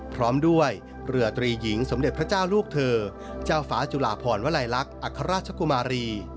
พร้อมด้วยเรือตรีหญิงสมเด็จพระเจ้าลูกเธอเจ้าฟ้าจุลาพรวลัยลักษณ์อัครราชกุมารี